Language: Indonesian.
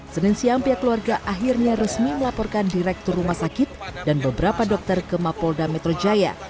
senin siang pihak keluarga akhirnya resmi melaporkan direktur rumah sakit dan beberapa dokter ke mapolda metro jaya